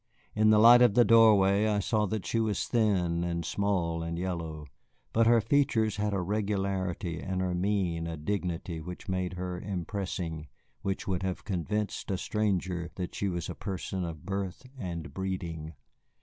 In the light of the doorway I saw that she was thin and small and yellow, but her features had a regularity and her mien a dignity which made her impressing, which would have convinced a stranger that she was a person of birth and breeding.